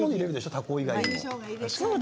タコ以外も。